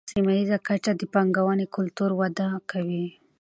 په سیمه ییزه کچه د پانګونې کلتور وده کوي.